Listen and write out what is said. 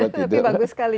tapi bagus sekali